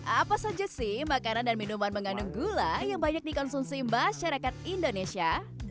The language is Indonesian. apa saja sih makanan dan minuman mengandung gula yang banyak dikonsumsi masyarakat indonesia